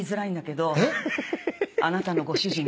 あなたのご主人が。